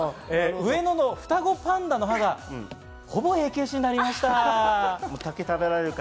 上野の双子のパンダの歯がほぼ永久歯になりました。